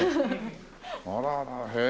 あららへえ